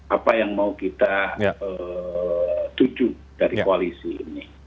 apa yang mau kita tuju dari koalisi ini